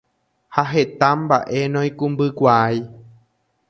ha heta mba'e noikũmbykuaái.